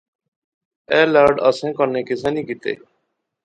ایہہ لاڈ اساں کنے کسا نی کتے